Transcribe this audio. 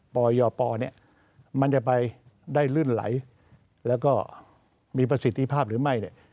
ปยปเนี่ยมันจะไปได้ลื่นไหลแล้วก็มีประสิทธิภาพหรือไม่เนี่ย